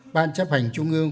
ban chấp hành trung ương